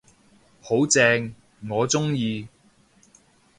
好正，我鍾意